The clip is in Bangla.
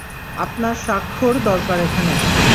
আপনার সাক্ষর দরকার এখানে।